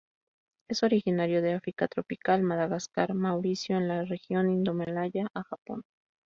Es originario de África tropical, Madagascar, Mauricio, en la región Indomalaya a Japón.